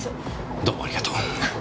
どうもありがとう。